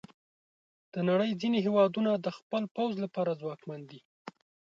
د نړۍ ځینې هیوادونه د خپل پوځ لپاره ځواکمن دي.